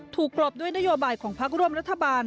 กลบด้วยนโยบายของพักร่วมรัฐบาล